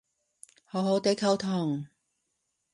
好好哋溝通